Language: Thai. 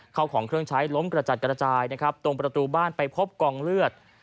เข้าของเครื่องใช้ล้มกระจัดกระจายนะครับตรงประตูบ้านไปพบกองเลือด